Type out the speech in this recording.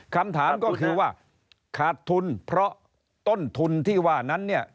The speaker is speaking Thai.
คำถามก็คือว่าขาดทุนเพราะต้นทุนที่ว่านั้นเนี่ย